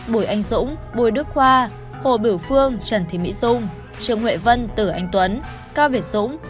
bùi anh dũng bùi đức khoa hồ biểu phương trần thị mỹ dung trương huệ vân tử anh tuấn cao việt dũng